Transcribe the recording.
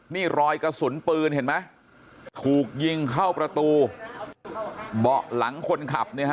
นี่รอยกระสุนปืนเห็นไหมถูกยิงเข้าประตูเบาะหลังคนขับเนี่ยฮะ